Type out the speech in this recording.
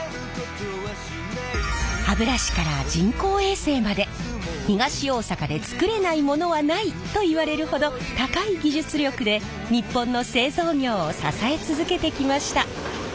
歯ブラシから人工衛星まで東大阪で作れないものはないといわれるほど高い技術力で日本の製造業を支え続けてきました。